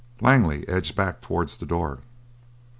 Langley edged back towards the door.